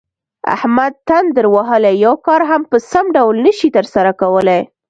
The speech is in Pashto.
احمد تندر وهلی یو کار هم په سم ډول نشي ترسره کولی.